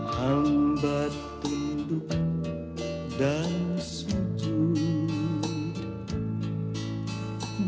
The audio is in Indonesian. hambat tunduk dan sujud